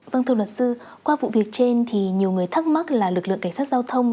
vâng thưa luật sư qua vụ việc trên thì nhiều người thắc mắc là lực lượng cảnh sát giao thông